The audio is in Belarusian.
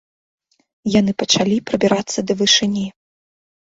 Яны пачалі прабірацца да вышыні.